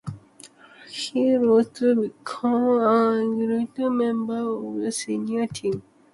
He rose to become an integral member of the senior team.